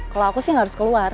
kalau aku sih nggak harus keluar